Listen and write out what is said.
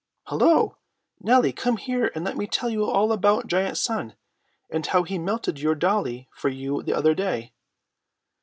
Hello! Nellie, come here and let me tell you all about GIANT SUN, and how he melted your dollie for you the other day."